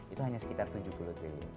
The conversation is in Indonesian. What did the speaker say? itu hanya sekitar tujuh puluh triliun